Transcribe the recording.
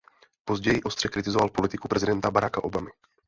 Později ostře kritizoval politiku prezidenta Baracka Obamy.